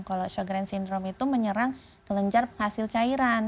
kalau sjogren's syndrome itu menyerang kelenjar hasil cairan